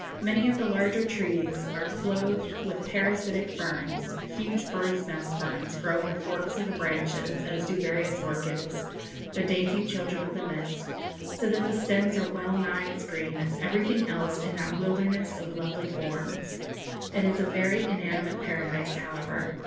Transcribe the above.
Many of the larger trees are clothed with parasitic ferns; huge bird's nest ferns grow in the forks of the branches, as do various orchids, the dainty children of the mist, so that the stems are well nigh as green as everything else in that wilderness of lovely forms. It is a very inanimate paradise, however.